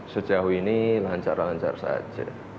sejauh ini lancar lancar saja